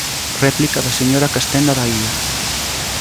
Réplica da señora Castenda Baía.